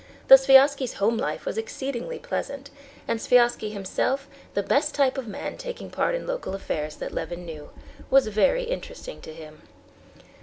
The Sviazhskys' home life was exceedingly pleasant, and Sviazhsky himself, the best type of man taking part in local affairs that Levin knew, was very interesting to him.